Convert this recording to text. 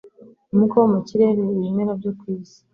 Umwuka wo mu kirere ibimera byo ku isi